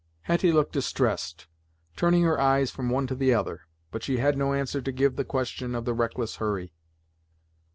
Hetty looked distressed, turning her eyes from one to the other, but she had no answer to give to the question of the reckless Hurry.